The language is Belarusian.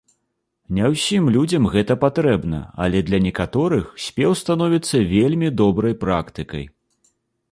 Не ўсім людзям гэта патрэбна, але для некаторых спеў становіцца вельмі добрай практыкай.